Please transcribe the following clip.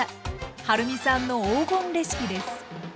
はるみさんの黄金レシピです。